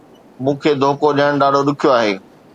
مون کي دوکو ڏيڻ ڏاڍو ڏکيو آهي